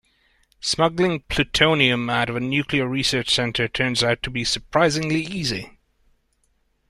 Smuggling plutonium out of a nuclear research centre turns out to be surprisingly easy.